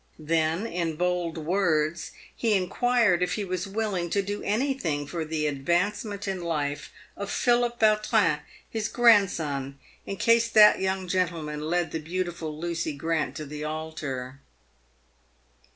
Then, in bold words, he inquired if he was willing to do anything for 376 PAVED WITH GOLD. the advancement in life of Philip Yautrin, his grandson, in case that young gentleman led the beautiful Lucy Grant to the altar.